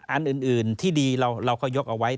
อันอื่นที่ดีเราก็ยกเอาไว้